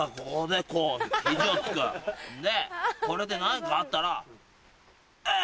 でこれで何かあったら「え！」。